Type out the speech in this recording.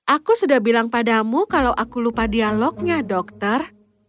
aku sudah bilang padamu kalau aku lupa dialognya dokter